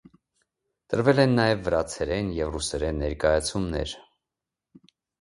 Տրվել են նաև վրացերեն և ռուսերեն ներկայացումներ։